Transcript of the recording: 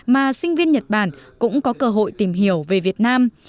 mà sinh viên nhật bản cũng có cơ hội tìm hiểu về việt nam